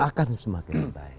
akan semakin baik